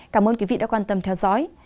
cảm ơn quý vị đã quan tâm theo dõi